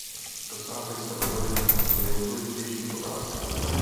Dosáhli jsme dohody v nejdůležitějších otázkách.